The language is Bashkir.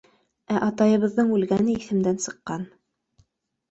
Ә атайыбыҙҙың үлгәне иҫемдән сыҡҡан.